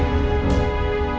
keluar dari kamar mama keluar